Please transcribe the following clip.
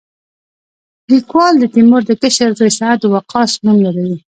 لیکوال د تیمور د کشر زوی سعد وقاص نوم یادوي.